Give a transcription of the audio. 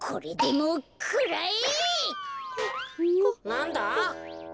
なんだ？